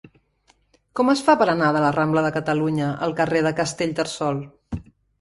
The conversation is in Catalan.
Com es fa per anar de la rambla de Catalunya al carrer de Castellterçol?